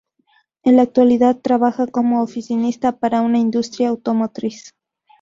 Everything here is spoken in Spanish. En la actualidad trabaja como oficinista para una industria automotriz.